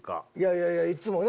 いやいやいつもね